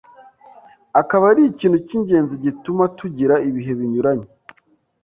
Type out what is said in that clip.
akaba ari ikintu cy’ingenzi gituma tugira ibihe binyuranye.